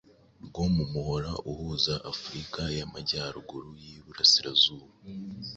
rwo mu muhora uhuza Afurika y’Amajyaruguru y’Iburasirazuba